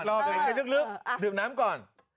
ขออีกรอบด้วยดื่มลึกดื่มน้ำก่อน